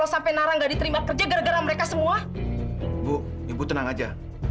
sampai jumpa di video selanjutnya